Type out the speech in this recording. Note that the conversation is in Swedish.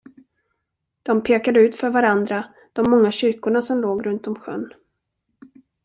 De pekade ut för varandra de många kyrkorna som låg runt om sjön.